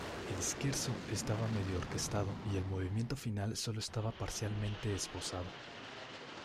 El Scherzo estaba medio orquestado, y el movimiento final sólo estaba parcialmente esbozado.